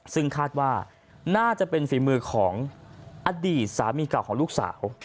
ซึ่งคาดว่าน่าจะเป็นฝีมือของอดีตสามีเก่าของลูกสาว